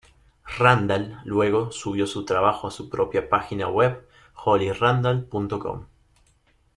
Randall luego subió su trabajo a su propia página web hollyrandall.com.